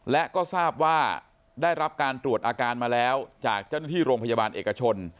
และก็ทราบว่าได้รับการตรวจอาการมาแล้วจากเจ้าหน้าที่โรงพยาบาลเอกชน